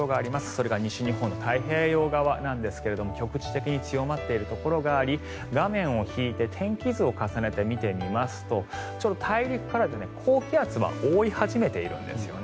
それが西日本の太平洋側なんですが局地的に強まっているところがあり画面を引いて天気図を重ねて見てみますとちょうど大陸から高気圧が覆い始めているんですね。